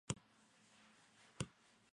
Se han descrito una docena de especies.